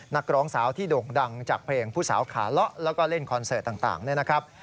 นักร้องสาวที่โด่งดังจากเพลงผู้สาวขาเลาะแล้วก็เล่นคอนเสิร์ตต่างเนี่ยนะครับ